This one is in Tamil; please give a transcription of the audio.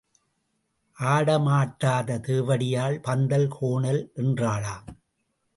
ஆடமாட்டாத தேவடியாள் பந்தல் கோணல் என்றாளாம்.